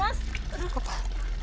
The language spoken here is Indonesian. aduh kok panas